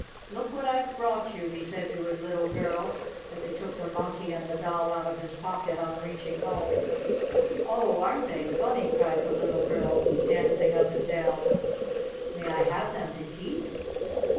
"Look what I've brought you," he said to his little girl, as he took the Monkey and the Doll out of his pocket on reaching home. "Oh, aren't they funny!" cried the little girl, dancing up and down. "May I have them to keep?"